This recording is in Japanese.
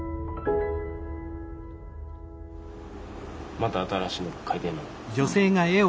また新しいの描いてんの？